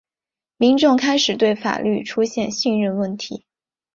民众开始对法律出现信任问题。